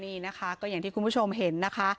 นี่นะคะก็อย่างที่คุณผู้ชมเห็นนะคะ